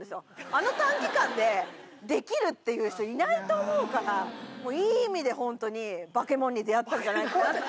あの短期間でできるっていう人いないと思うからいい意味で本当にバケモンに出会ったんじゃないかなって。